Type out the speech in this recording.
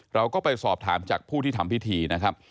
เราก็ไปสอบถามจากผู้ที่ทำพิธีนะครับ